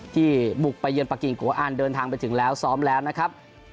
ที่บุกไปเยือนปากกิ่งโกอันเดินทางไปถึงแล้วซ้อมแล้วนะครับ